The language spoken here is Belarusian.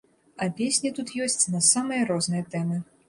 А песні тут ёсць на самыя розныя тэмы.